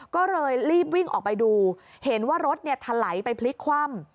ก็เลยรีบวิ่งออกไปดูเห็นว่ารถถลายไปพลิกคว่ำ